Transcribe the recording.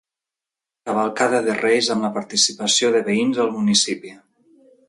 Cavalcada de reis, amb la participació de veïns del municipi.